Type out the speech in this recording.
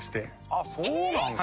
あっそうなんですか。